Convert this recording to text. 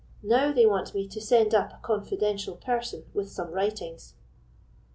Now they want me to send up a confidential person with some writings."